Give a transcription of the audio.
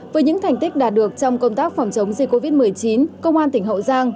với những thành tích đạt được trong công tác phòng chống dịch covid một mươi chín công an tỉnh hậu giang